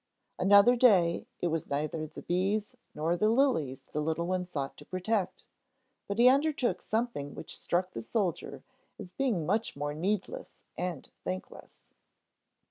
Another day it was neither the bees nor the lilies the little one sought to protect, but he undertook something which struck the soldier as being much more needless and thankless.